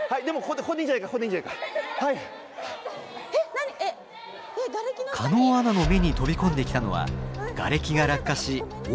狩野アナの目に飛び込んできたのはがれきが落下し大けがを負った男性。